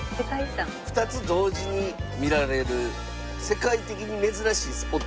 ２つ同時に見られる世界的に珍しいスポットがある。